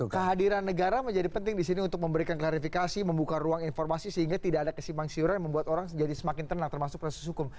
kehadiran negara menjadi penting di sini untuk memberikan klarifikasi membuka ruang informasi sehingga tidak ada kesimpang siuran yang membuat orang jadi semakin tenang termasuk proses hukum